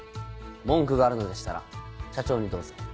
文句があるのでしたら社長にどうぞ。